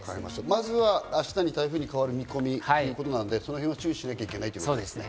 まずは明日に台風に変わる見込みということなので、そのへんに注意しなきゃいけないということですね。